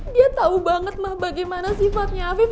dia tau banget ma bagaimana sifatnya afif